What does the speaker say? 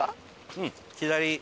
うん左。